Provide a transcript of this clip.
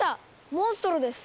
モンストロです！